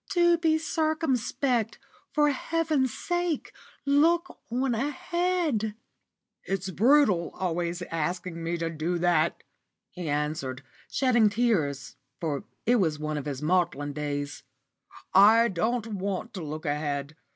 Do be circumspect; for Heaven's sake, look on ahead." "It's brutal always asking me to do that," he answered, shedding tears, for it was one of his maudlin days; "I don't want to look ahead.